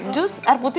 jus air putih